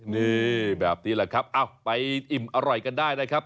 นี่แบบนี้แหละครับไปอิ่มอร่อยกันได้นะครับ